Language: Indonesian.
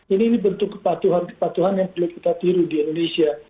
ini bentuk kepatuhan kepatuhan yang perlu kita tiru di indonesia